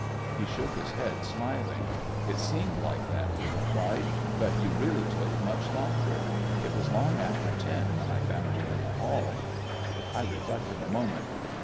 He shook his head, smiling. "It seemed like that," he replied, "but you really took much longer. It was long after ten when I found you in the hall." I reflected a moment.